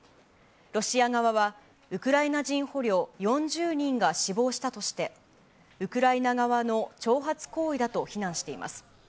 ロシア側はウクライナ人捕虜４０人が死亡したとして、ウクライナ側の挑発行為だと非難しています。